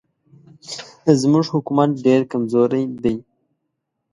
زموږ حکومت ډېر کمزوری دی.